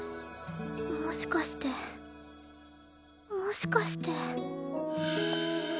もしかしてもしかして